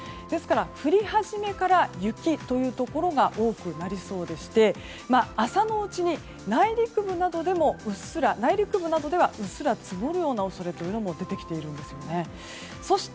ですから降り始めから雪というところが多くなりそうでして朝のうちに内陸部などでもうっすら積もるような恐れも出てきているんですよね。